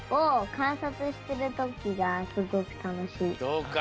そうか。